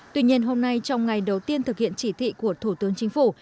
tuy nhiên hôm nay trong ngày đầu tiên thực hiện chỉ thị của thủ tướng chính phủ